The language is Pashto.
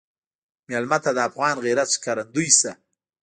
مېلمه ته د افغان غیرت ښکارندوی شه.